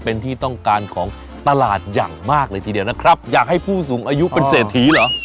เป็นที่ต้องการของตลาดอย่างมากเลยทีเดียวนะครับอยากให้ผู้สูงอายุเป็นเศรษฐีเหรอ